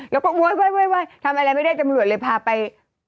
แล้วก็โว๊ยทำอะไรไม่ได้ตำรวจเลยพาไป